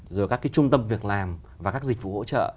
rồi các cái trung tâm việc làm và các dịch vụ hỗ trợ